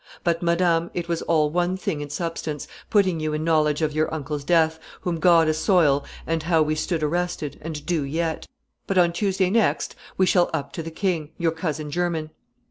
But, madam, it was all one thing in substance, putting you in knowledge of your uncle's death, whom God assoil, and how we stood arrested, and do yet. But on Tuesday next we shall up to the king, your cousin german.